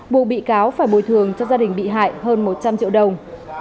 buộc bị cáo phải bồi thường cho gia đình bị hại hơn một trăm linh triệu đồng